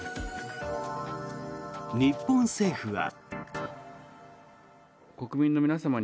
日本政府は。